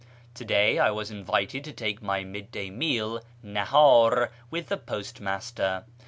— To day I was invited to take my mid day meal (nahdr) with the postmaster.